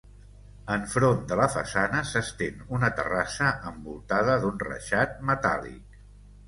Enfront de la façana s'estén una terrassa envoltada d'un reixat metàl·lic.